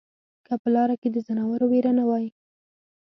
که په لاره کې د ځناورو وېره نه وای